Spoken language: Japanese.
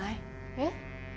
えっ？